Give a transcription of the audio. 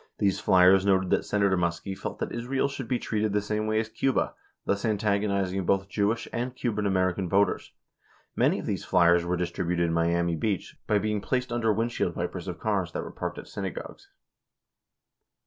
These flyers noted that Senator Muskie felt that Israel should be treated the same way as Cuba, thus antagonizing both J ewish and Cuban American voters. Many of these flyers were distributed in Miami Beach, by being placed under windshield wipers of cars that were parked at synagogues.